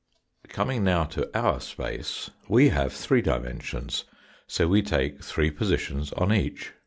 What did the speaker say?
Coining now to our space, we have three dimensions, so we take three positions on each.